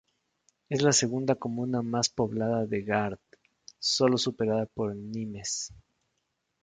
Es la segunda comuna más poblada de Gard, sólo superada por Nimes.